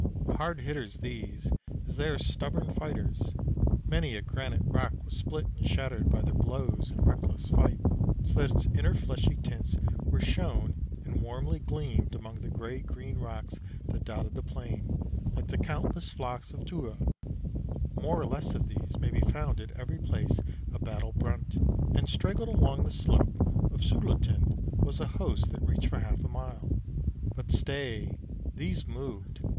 Hard hitters these, as they are stubborn fighters; many a granite rock was split and shattered by their blows in reckless fight, so that its inner fleshy tints were shown and warmly gleamed among the gray green rocks that dotted the plain, like the countless flocks of Thor. More or less of these may be found at every place of battle brunt, and straggled along the slope of Suletind was a host that reached for half a mile. But stay! these moved.